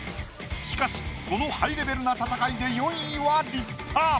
しかしこのハイレベルな戦いで４位は立派！